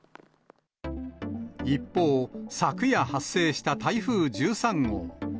一方、昨夜発生した台風１３号。